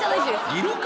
いるか？